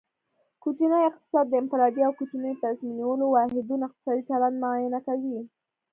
کوچنی اقتصاد د انفرادي او کوچنیو تصمیم نیولو واحدونو اقتصادي چلند معاینه کوي